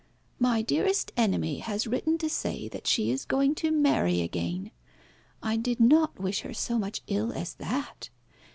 "My dearest enemy has written to say that she is going to marry again. I did not wish her so much ill as that.